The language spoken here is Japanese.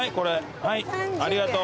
はいありがとう。